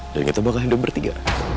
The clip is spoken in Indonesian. dan kita bakal hidup bertiga